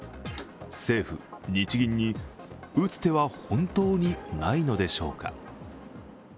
政府、日銀に打つ手は本当にないのでしょうか。